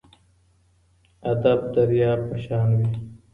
ادب درياب په شان وي.